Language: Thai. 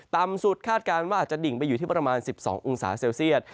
ต่ำสุดคาดการณ์ว่าอาจจะดิ่งไปอยู่ที่ประมาณ๑๒องศาเซลเซียต